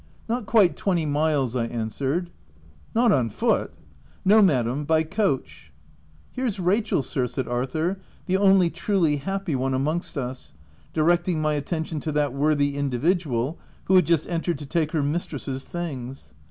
" Not quite twenty miles," I answered. "Not on foot!" " No, Madam, by coach." " Here's Rachel, sir," said Arthur, the only truly happy one amongst us, directing my [at tention to that worthy individual, who had just entered to take her mistress's things.